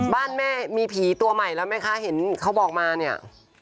แม่มีผีตัวใหม่แล้วไหมคะเห็นเขาบอกมาเนี่ย